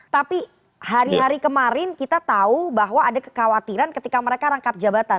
tapi hari hari kemarin kita tahu bahwa ada kekhawatiran ketika mereka rangkap jabatan